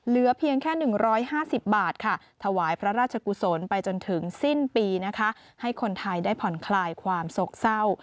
เหลือเพียงแค่๑๕๐บาทค่ะถวายพระราชกุศลไปจนถึงสิ้นปีนะคะให้คนไทยได้ผ่อนคลายความโศกเศร้า